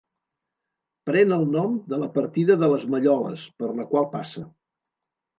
Pren el nom de la partida de les Malloles, per la qual passa.